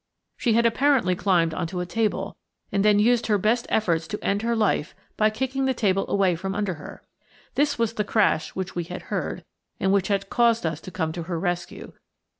She had apparently climbed on to a table, and then used her best efforts to end her life by kicking the table away from under her. This was the crash which we had heard, and which had caused us to come to her rescue.